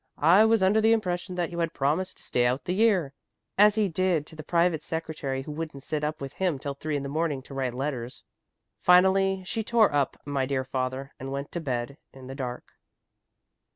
I was under the impression that you had promised to stay out the year,' as he did to the private secretary who wouldn't sit up with him till three in the morning to write letters." Finally she tore up "My dear father," and went to bed in the dark.